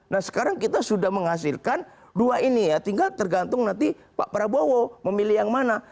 nah sekarang kita sudah menghasilkan dua ini ya tinggal tergantung nanti pak prabowo memilih yang mana